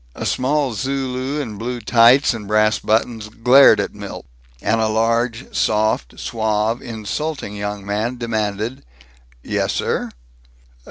A small Zulu in blue tights and brass buttons glared at Milt; and a large, soft, suave, insulting young man demanded, "Yes, sir?"